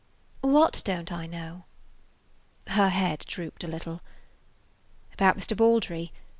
"What don't I know?" Her head drooped a little. "About Mr. Baldry.